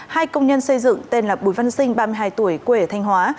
hai công nhân xây dựng tên là bùi văn sinh ba mươi hai tuổi quê ở thanh hóa